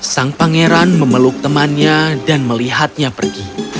sang pangeran memeluk temannya dan melihatnya pergi